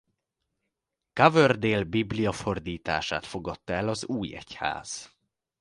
Coverdale bibliafordítását fogadta el az új egyház.